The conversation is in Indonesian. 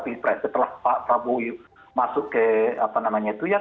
pilpres setelah pak prabowo masuk ke apa namanya itu ya